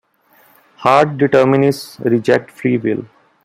Hard determinists reject free will.